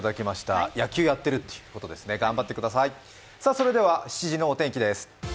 それでは７時のお天気です。